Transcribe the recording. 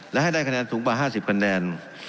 และให้ได้คะแนนสูงกว่า๕๐คะแนน